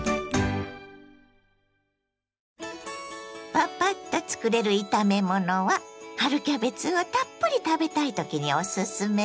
パパッとつくれる炒め物は春キャベツをたっぷり食べたいときにおすすめです。